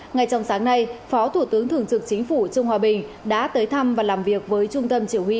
ngay trong sáng nay phó thủ tướng thường trực chính phủ trương hòa bình đã tới thăm và làm việc với trung tâm chỉ huy